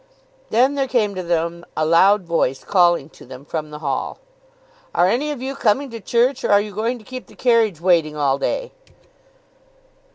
Then there came to them a loud voice calling to them from the hall. "Are any of you coming to church, or are you going to keep the carriage waiting all day?"